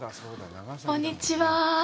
こんにちは。